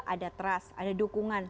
ada trust ada dukungan